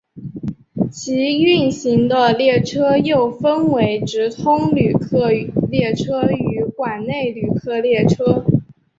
其运行的列车又分为直通旅客列车与管内旅客列车。